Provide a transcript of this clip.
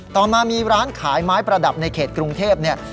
ต่อมามีร้านขายไม้ประดับในเขตกรุงเทพเนี่ย